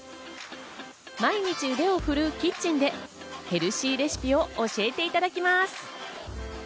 毎日、腕を振るうキッチンでヘルシーレシピを教えていただきます。